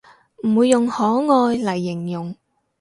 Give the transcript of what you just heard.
唔會用可愛嚟形容